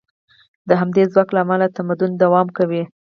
د همدې ځواک له امله تمدن دوام کوي.